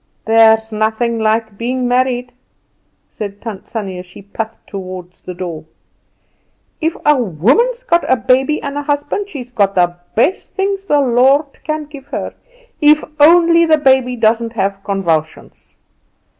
There's nothing like being married," said Tant Sannie, as she puffed toward the door. "If a woman's got a baby and a husband she's got the best things the Lord can give her; if only the baby doesn't have convulsions.